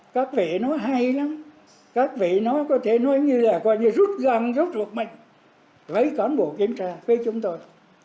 các vị nó hay lắm các vị nó có thể nói như là coi như rút gần rút lục mình với cán bộ kiểm tra với chúng tôi